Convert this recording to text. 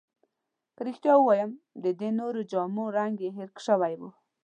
که رښتیا ووایم، د دې نورو جامو رنګ مې هیر شوی وو.